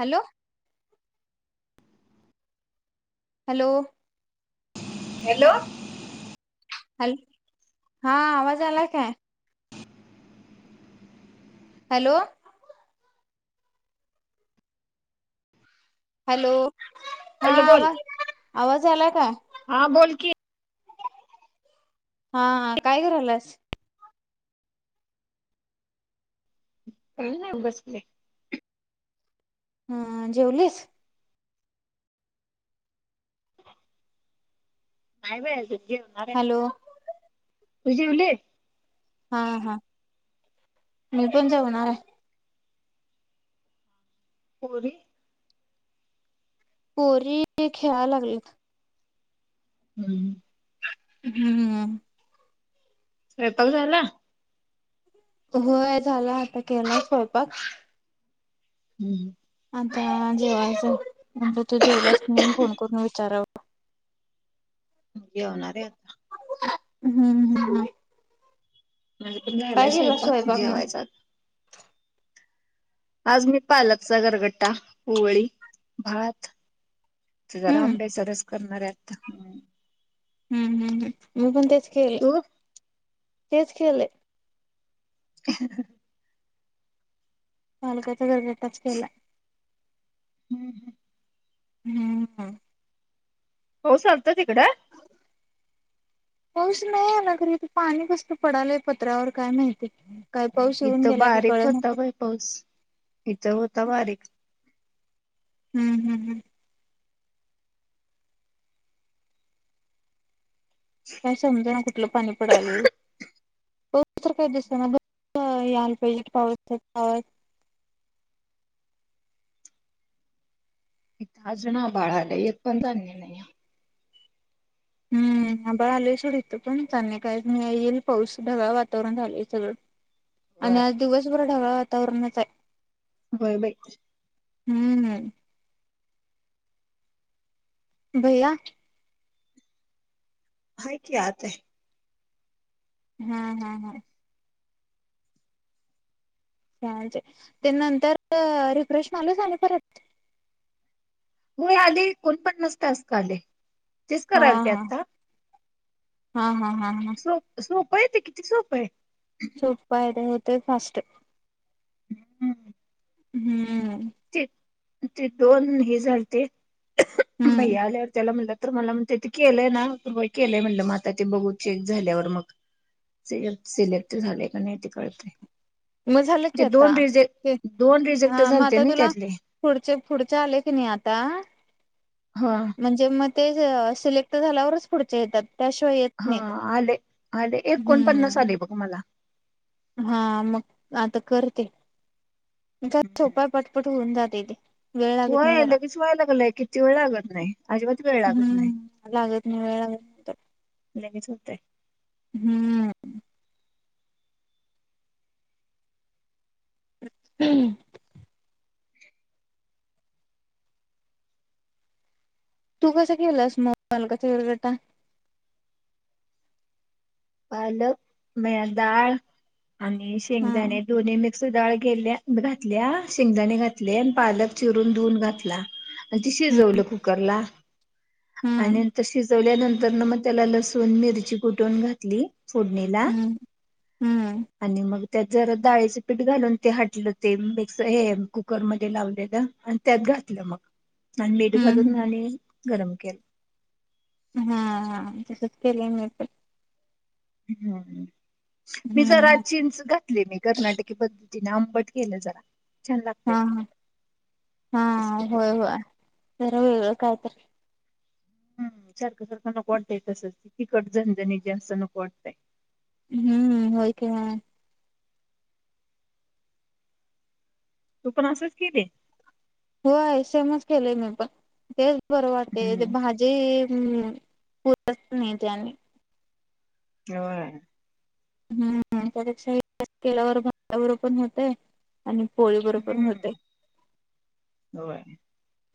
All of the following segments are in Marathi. हॅलो, हॅलो, हॅलो, हॅलो, हा आवाज आला काय. हॅलो, हॅलो, हा हॅलो बोल आवाज आवाज आला का, हा बोल की हा हा काय करालास काय नाही बसले. हं जेवलीस नाहीय बाई जेवणार आहे आता, हॅलो तु जेवली हा हा मी पण जेवणार आहे. [unintelligible] पोरी खेळा लागलेत. हम्म हम्म स्वयपाक झाला. होय झाला आता केला स्वयपाक हम् आता जेवायच म्हणजे तू जेवलास की नाही फोन करून विचाराव. जेवणार आहे. हम्म हम्म हम् म्हझे पण झायलाय स्वयंपाक जेवायचा आज मी पालकचा गरगट्टा पोळी भात जरा हम्म आंब्याचा रस करणारे. हम्म हम्म हम मी पण ते खेळ तू तेच केलंय. [inaudible] पालकाचा गर्ग तेच केलाय. [inaudible] हम्म ह. हो चालत तिकडं, पाऊस नाही आला खरं इथं पाणी कसं काय पडायला पत्र्यावर काय माहिती. काय पाऊस येऊन इथं गेलाय काय बारीक कळना होता. बाई पाऊस इथ हो ता बारीक. हम्म हम्म हम्म. काय समजा ना कुठलं पाणी पडायल. होसर काय दिस ना [unintelligible] पाऊस [unintelligible] आज ना बाळाला एक पण धान्य नाहीय हम्म आबाळ आले सोड इथं पण चांले काय मि येईल पाऊस ढगाळ वातावरण झालंय सगळं. आणि होय आज दिवसभर ढगाळ वातावरणच आहे. होय बाई. हम्म. भैया हाय की आत हे. हम् हम् हम् [unintelligible] ते नंतर रिफ्रेश चालू झाल परत? होय आधी कोणपन्नास टास्क आले. तेच हा करायलते हा आत्ता हा हा. हा हा सृप सृप व्हय ते किती सोपं हे पण सोपं आहे ते होतंय फास्ट. हम् हम्म [unintelligible] ते दोन हे झालते. हम्म भैया आल्यावर त्याला म्हणलं, तर मला म्हणतेत ते केलंय ना? व्हय केलंय म्हणलं मग आता ते बघू चेक झाल्यावर मग सि सिलेक्ट झालेय का नाही ते कळतय मग झालं की ते आता दोन ते रिजेक् दोन हा रिजेक्ट मग झालते आता नई तुला पुढचे पुढचे आले की नाही आता हा म्हणजे मग ते सिलेक्ट झाल्यावरच पुढचे येतात. त्याशिवाय येत हा नाहीत आले आले एकोणपन्नास हम्म आले बघ मला हा मग आता कर ते. ज सोप हा पटपट होऊन जा तय ते वेळ लागत नाही व्हय त्याला लगेच व्हायला लागलंय किती वेळ लागत नाही अजिबात वेळ लागत नाही. हम्म लागत नाही वेळ लागत लगेच होतय हुं [unintelligible] तू कसं केलंस मग मला कसं [unintelligible] पालक मेळदाळ आणि हा शेंगदाणे दोन्ही म मसुरी डाक गेल्या घातल्या शेंगदाणे घातले आणि पालक चिरून धुवून घातला आणि ते हम्म शिजवलं कुकरला आणि हम्म नंतर शिजवल्यानंतर नंतरन म तेला लसूण मिरची कुटून घात ली फोडणीला हम्म हम्म आणि मग त्यात जरा डाळीचं पीठ घालून ते हटलं ते मिक्स हे कुकर मध्ये लावलेलं आणि त्यात घातलं मग आणि मीठ हम्म घालून आणि गरम केल हा तसच केले मी पण हुं मी जरा हम्म चींच घातले मी कर्नाटकी पंध तिन आंबट केलं जरा छान हा, लागतय हा, हा तसलं केलं होय होय जरा वेगळं कायतर हुं सारखं सारखं नको वाटताय तसंच तिकट झणझणीत जास्त नको वाटतय हम्म होय की तू पण असंच केले? होय सेमच केलंय मी पण ते बरं वाटतय ते हम्म भाजी पुरत नाही ते आनी होय हम्म त्यापेक्षा हे केल्यावर भाता बरोबर पण होतय आणि पोळी बरोबर पण होतय हम्म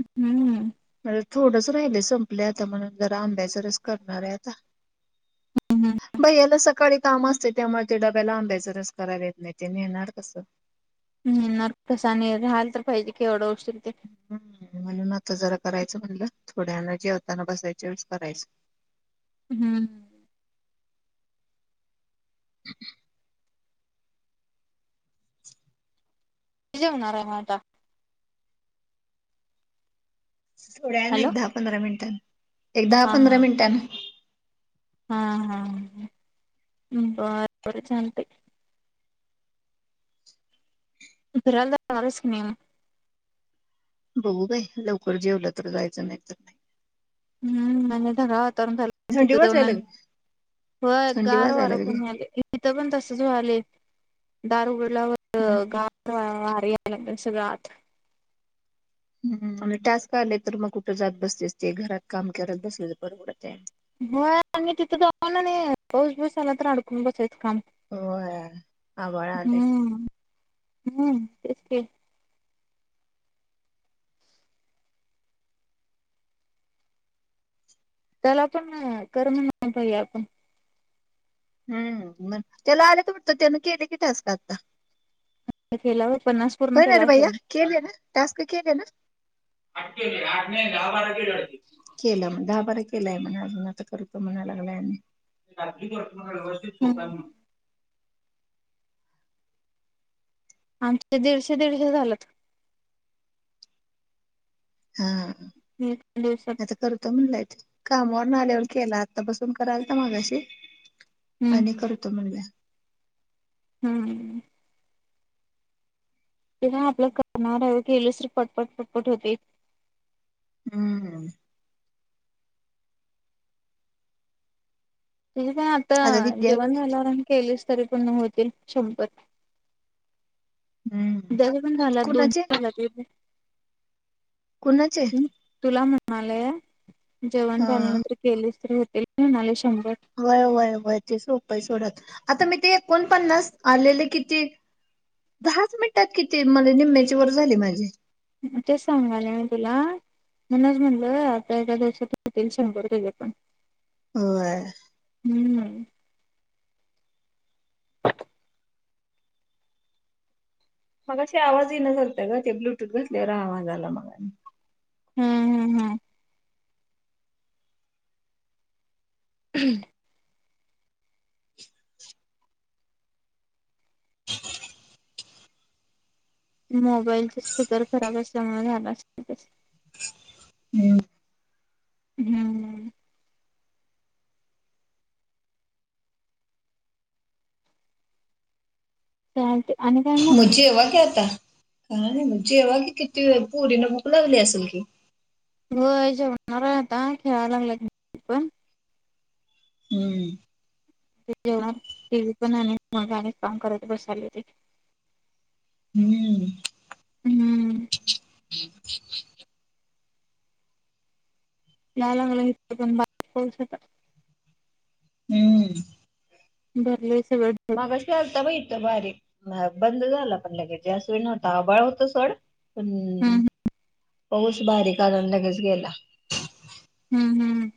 हुं माझं थोडस राहिलय संपलंय आता म्हणून जर आंब्याच रस करणार आहे आता हम्म भैय्याला सकाळी काम असतय त्यामुळे ते डब्याला आंब्याचा रस करायला येत नाही ते नेणार कसं ह नेणार कस आणि राहिला तर पाहिजे की एवढा उशीर ते म्हणून आता जरा करायच म्हणलं थोड्यावेळाने जेवताना बसायच्या वेळेस करायच हम्म कधी जेवणार आहे म आता थोड्यावेळाने हॅलो एक दहा पंधरा मिनिटात एक दहा हा पंधरा मिनटांने हा हा बर बर झाल ते कुठे फिरायला जाणार आहेस का नाही म बघू बाई लवकर जेवल तर जायच नाही तर नाही हम्म मैने ठरावत थंडी तिथे जाऊन वाजायला आणि लागली होय थंडी गार वार वाजायला लागली पण यायले इथं पण तसच व्हायलय दार उघड पुलावर हम्म गार वार यायले घेतलय सगळ आत म्हणजे टास्क आले तर मग कुठे जात बसतीस ते घरात काम करत बसलेल परवडतय हो आणि तिथं जाऊन आणि पाऊस ब्युस आला तर अडकून बसायच होय आभाळ आलय हम्म हम्म तेच ते त्याला पण कर म्हणाव भैय्यापण हम्म म त्याला आलेत वाटत त्यांने केले की टास्क आत्ता त्याने केला होय होय ना रे भैया केले ना टास्क केले ना आठ केली आठ ने दहा बारा केली केल मग दहा बारा केलय म्हण अजून आत्ता करूका म्हणाय आणि व्यवस्थित होतय हम्म म्हण आमचे दीडशे दीडशे झाल्यात हा एका दिवसात आता करतो म्हणलाय तो कामावरून आल्यावर केला आत्ता बसून करालता मागाशी हम्म आणि करतो म्हणलाय हम्म. तेनव आपल करणार आहे केलीस तर पटपट होतय. हम्म. ते काय आता जेवण झाल्यावर आणि केलीच तरी पण होते शंभर. हम्म जस पण झालात कुणाचे दोनश झा कुणाचे? ह तुला म्ह मलेय जेवण हा झाल्यानंतर केलेच हो [inaudible] वय वय वय ते सोपय सोडत. आता मी ते एकोणपन्नास आलेले किती दहाच मिनिटात किती म्हज निम्म्याची वर झाली माझी तेच सांगाले मी तुला म्हणूनच म्हणल आता एकादशात होतील शंभरपे पण हो. हम्म हम्म मगाशी आवाजही न चालताय ग ते ब्लूटूथ घातल्यावर आवाज आला मगा आणि हम्म हम्म हम्म. हम्. [unintelligible] मोबाईलचे स्पीकर खराब असल्यामुळे झाला असस हम्. हम्म. हे मुझे एवा क्याता का नाही जेव्हा की किती व पुरी नं भूक लागली असेल की हो याच्या होणार आता खेळायलाग लाग पण हम्म. जेव्हा टी व्ही पण आणि मज आणि काम करत बसायले होते. हम्म. हम्म. ललांगला बासता बरले मागा शलता मा इथ बारीक बंद झाला पण लगेच जास् वि नव्हता आबाळ होत सोड पण हम्म बऊश बारी ंद घस घला हम्म हम्म.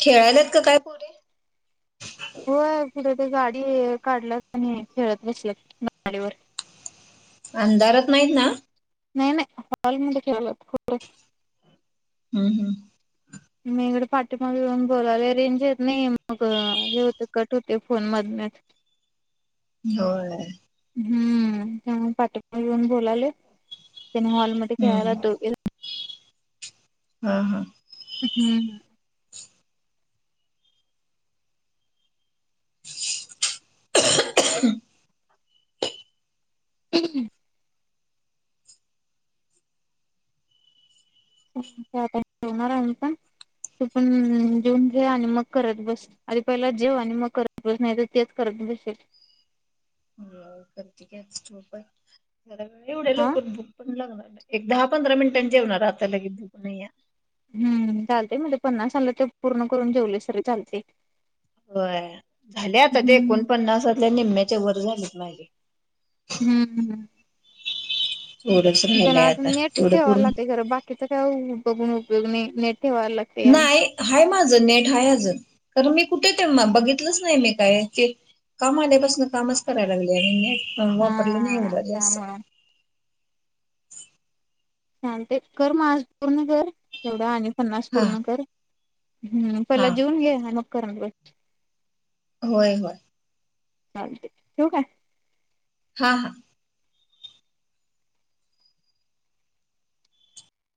खेळालात का काय पुरे होय कुठे गाडी काढल्या आणि खेळत बसल्यााडीवर अंधारच नाहीत ना. नाही नाही हॉलमध्ये खेळलं हम्म हम्म मी इकडे पाठीिमाग येऊन बोलायले रेंज येत नाही मग हे होते कट होते फोन मध होय हम्म पाट येऊन बोलाले सिनेमा हॉल हम्म मध्ये [inaudible] हा हा हम्म [inaudible] [inaudible] आता जेवणार आहे का तू पण जेऊन घे आणि मग करत बस आधी पहिला जेव आणि मग करत बस नाही तर तेच करत बसशील करती काप [unintelligible] एवढ्या हा लवकर भुक पण लाग एक दहा पंधरा मिनटां जेवणार आता लगे भुक नाही ये हम्म चालते म्हणजे पन्नास आलं ते पूर्ण करून जेवले सर चालते हो झाले आता ते हम्म. एकोणपन्नास ते निम्म्येच्या वर झालेत माझे हम्म हम्म थोडंच त्याला राहिलंय आता नेट तेवढं ठेवाय पूर्ण लाग ते खरं बाकीच काय बघून गट [unintelligible] नाही हाय माझ नेट हाय अजुन त तुम्ही कुठे ठेवणार बघितलंच नाही मी काय क काम आल्यापासन कामच करायला लागले हा वापरलं नाही हा एवढं जास्त [inaudible] त्यामुळं. छान ते कर म आज पूर्ण कर तेवढं आणि पन्नास हा पूर्ण कर हम्म पहिला हा जेऊन घ्या आणि मग करत बस होय होय ठेऊ काय हा हा